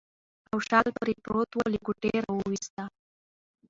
او شال پرې پروت و، له کوټې راوایسته.